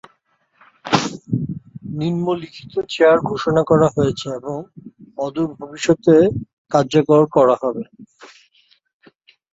নিম্নলিখিত চেয়ার ঘোষণা করা হয়েছে এবং অদূর ভবিষ্যতে কার্যকর করা হবে।